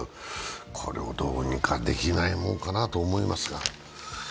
これをどうにかできないもんかなと思いますが。